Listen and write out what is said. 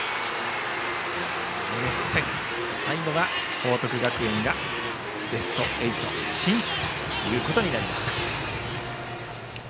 熱戦、最後は報徳学園がベスト８進出となりました。